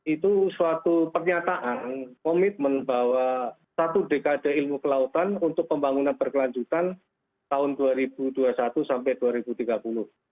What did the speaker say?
itu suatu pernyataan komitmen bahwa satu dekade ilmu kelautan untuk pembangunan berkelanjutan tahun dua ribu dua puluh satu sampai dua ribu tiga puluh